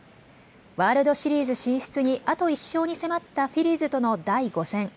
ワールドシリーズ進出にあと１勝に迫ったフィリーズとの第５戦。